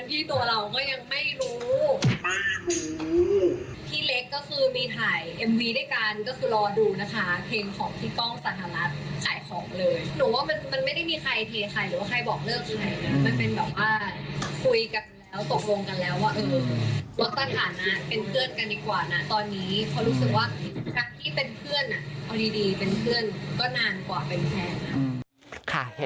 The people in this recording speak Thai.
ตกลงกันแล้วว่าเออ